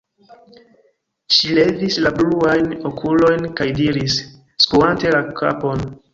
Ŝi levis la bluajn okulojn kaj diris, skuante la kapon: